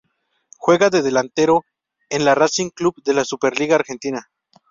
Juega de delantero en Racing Club de la Superliga Argentina.